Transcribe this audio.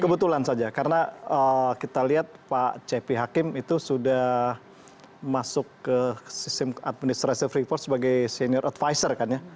kebetulan saja karena kita lihat pak cepi hakim itu sudah masuk ke sistem administrasi freeport sebagai senior advisor kan ya